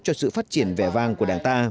cho sự phát triển vẻ vang của đảng ta